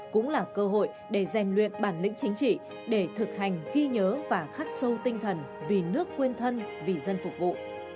cũng là cơ hội để rèn luyện bản lĩnh chính trị để thực hành ghi nhớ và khắc sâu tinh thần vì nước quên thân vì dân phục vụ